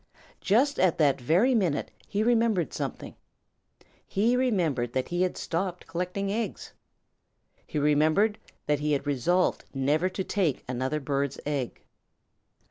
Just at that very minute he remembered something. He remembered that he had stopped collecting eggs. He remembered that he had resolved never to take another bird's egg.